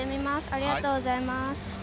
ありがとうございます。